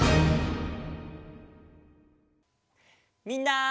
みんな！